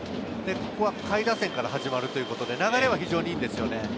ここは下位打線から始まるということで、流れは非常にいいんですよね。